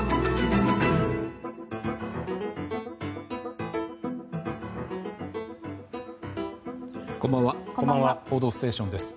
「報道ステーション」です。